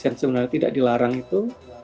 yang sebenarnya tidak dilarang itu